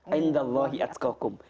ainda allahi atzkakum